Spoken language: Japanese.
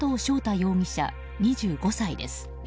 容疑者、２５歳です。